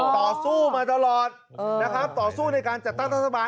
ต่อสู้มาตลอดต่อสู้ในการจัดต้านทัศนบาล